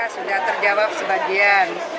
sudah terjawab sebagian